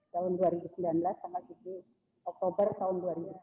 tahun dua ribu sembilan belas tanggal tujuh oktober tahun dua ribu sembilan belas